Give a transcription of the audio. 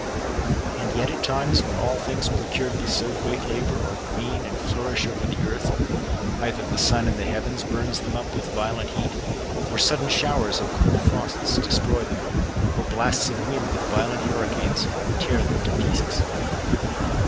And yet at times, when all things, procured with so great labour, are green and flourish over the earth, either the sun in the heavens burns them up with violent hea^ or sudden showers and cold frosts destroy them, or bla3ts of winds, with violent hurricanes, tear them to pieces.